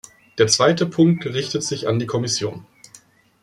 Der zweite Punkt richtet sich an die Kommission.